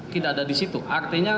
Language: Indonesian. tidak ada disitu artinya